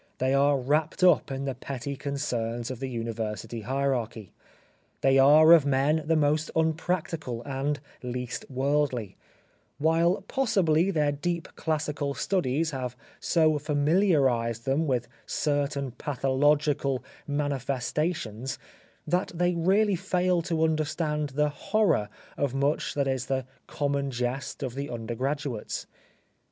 They are wrapped up in the petty concerns of the University hierarchy ; they are of men the most unpractical and least worldly; while possibly their deep classical studies have so familiarised them with certain pathological manifestations that they really fail to understand the horror of much that is the common jest of the under graduates.